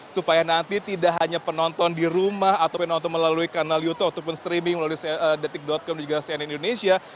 supaya nanti tidak hanya penonton di rumah ataupun nonton melalui kanal youtube ataupun streaming melalui detik com juga cnn indonesia